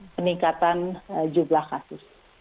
peningkatan jumlah kasus